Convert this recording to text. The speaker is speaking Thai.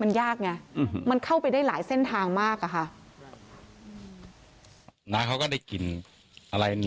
มันยากไงอืมมันเข้าไปได้หลายเส้นทางมากอ่ะค่ะน้าเขาก็ได้กลิ่นอะไรเนี่ย